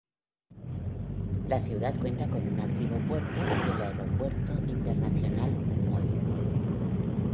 La ciudad cuenta con un activo puerto y el Aeropuerto Internacional Moi.